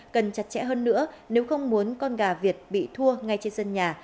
cần chặt chẽ hơn nữa nếu không muốn con gà việt bị thua ngay trên sân nhà